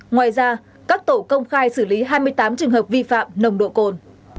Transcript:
ngoài ra các tổ công khai xử lý hai mươi tám trường hợp vi phạm nồng độ cồn